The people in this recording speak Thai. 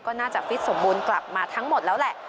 ก็น่าจะฟิตสมบูรณ์กลับมาทั้งหมดแล้วแหละ